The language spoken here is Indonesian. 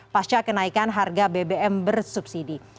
pasca kenaikan harga bbm bersubsidi